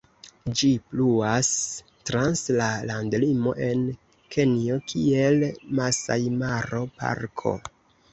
Ĝi pluas trans la landlimo, en Kenjo, kiel Masaj-Maro-Parko.